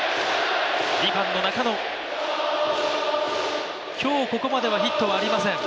２番の中野、今日ここまではヒットはありません。